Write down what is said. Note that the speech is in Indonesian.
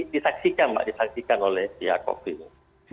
disaksikan mbak disaksikan oleh siap covid sembilan belas